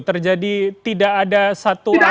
terjadi tidak ada satu arah begitu